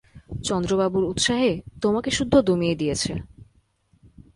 চন্দ্রবাবুর উৎসাহে তোমাকে সুদ্ধ দমিয়ে দিয়েছে।